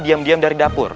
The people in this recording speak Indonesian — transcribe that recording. diam diam dari dapur